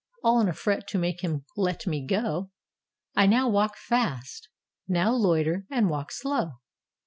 All in a fret to make him let me go, I now walk fast, now loiter and walk slow.